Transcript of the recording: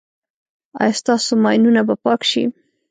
ایا ستاسو ماینونه به پاک شي؟